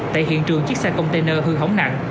tại hiện trường chiếc xe container hư hóng nặng